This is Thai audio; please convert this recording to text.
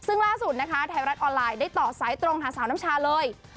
ซึ่งล่าสุดนะคะไทยรัฐออนไลน์ได้ต่อสายตรงหาสาวน้ำชาเลย